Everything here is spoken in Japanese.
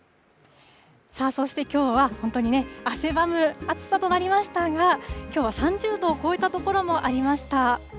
そしてきょうは、本当にね、汗ばむ暑さとなりましたが、きょうは３０度を超えた所もありました。